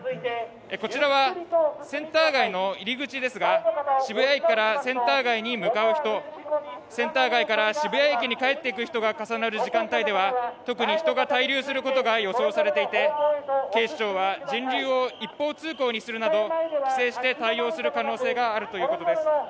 こちらはセンター街の入り口ですが渋谷駅からセンター街に向かう人、センター街から渋谷駅に帰っていく人が重なる時間帯では、特に人が滞留することが予想されていて、警視庁は人流を一方通行にするなど規制して対応する可能性があるということです。